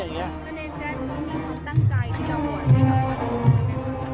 มันเองแจ๊นมันมีความตั้งใจที่จะบวชให้พ่อดู